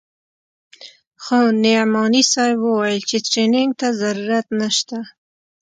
خو نعماني صاحب وويل چې ټرېننگ ته ضرورت نسته.